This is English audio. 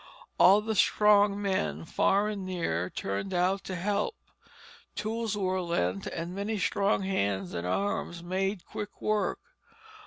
All the strong men far and near turned out to help, tools were lent, and many strong hands and arms made quick work.